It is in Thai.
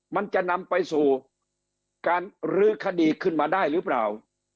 มันจะนำไปสู่การลื้อคดีขึ้นมาได้หรือเปล่า